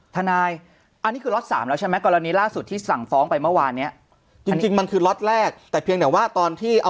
ทานายอันนี้คือลด๓แล้วใช่ไหมกรณีล่าสุดที่สั่งฟ้องไปเมื่อวานนี้